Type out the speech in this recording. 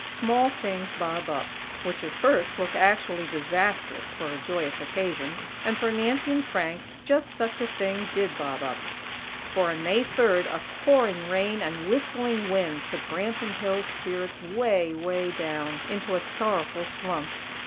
Small things bob up, which, at first, look actually disastrous for a joyous occasion; and for Nancy and Frank, just such a thing did bob up; for, on May Third, a pouring rain and whistling wind put Branton Hills' spirits way, way down into a sorrowful slump.